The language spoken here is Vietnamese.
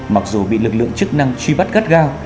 mặc dù bị lực lượng chức năng truy bắt gắt gao